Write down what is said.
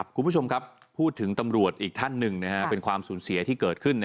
คุณผู้ชมครับพูดถึงตำรวจอีกท่านหนึ่งเป็นความสูญเสียที่เกิดขึ้น